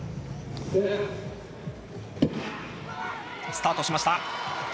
スタートしました。